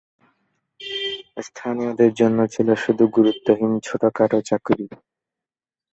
স্থানীয়দের জন্য ছিল শুধু গুরুত্বহীন ছোটখাট চাকুরি।